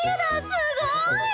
すごーい！